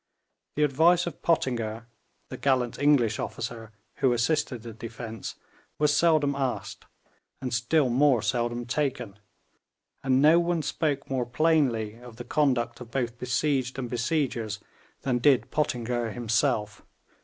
The advice of Pottinger, the gallant English officer who assisted the defence, was seldom asked, and still more seldom taken; and no one spoke more plainly of the conduct of both besieged and besiegers than did Pottinger himself.'